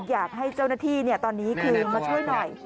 อยากให้เจ้าหน้าที่ตอนนี้คือมาช่วยหน่อย